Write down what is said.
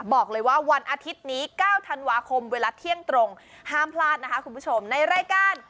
บอกเลยว่าวันอาทิตย์นี้๙ธันวาคมเวลาเที่ยงตรงห้ามพลาดนะคะคุณผู้ชมในรายการ